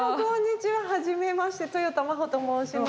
はじめましてとよた真帆と申します。